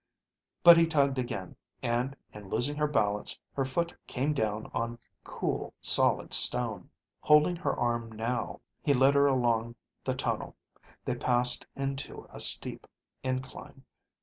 But he tugged again, and in losing her balance, her foot came down on cool, solid stone. Holding her arm now, he led her along the tunnel. They passed into a steep incline.